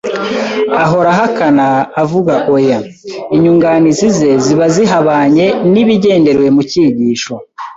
ahora ahakana, avuga oya. Inyunganizi ze ziba zihabanye n’ibigenderewe mu cyigisho.